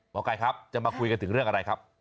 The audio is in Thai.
ไก่ครับจะมาคุยกันถึงเรื่องอะไรครับ